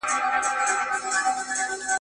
زه مخکي سبزیحات تيار کړي وو!؟